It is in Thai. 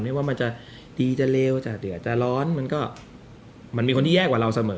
ว่ามันจะดีจะเลวจะเดือดจะร้อนมันก็มันมีคนที่แย่กว่าเราเสมอ